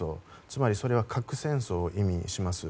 つまり、それは核戦争を意味します。